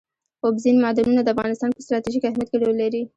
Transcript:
اوبزین معدنونه د افغانستان په ستراتیژیک اهمیت کې رول لري.